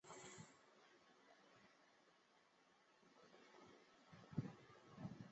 朝格特巴特尔曾任蒙古国外交部多边合作司副司长。